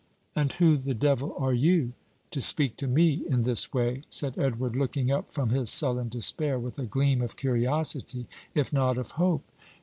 "And who the devil are you, to speak to me in this way?" said Edward, looking up from his sullen despair with a gleam of curiosity, if not of hope.